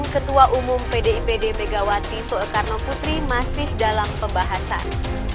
ketua umum pdipd megawati soekarno putri masih dalam pembahasan